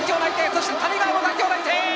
そして谷川も代表内定！